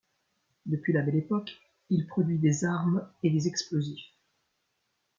Depuis la Belle Époque, il produit des armes et des explosifs.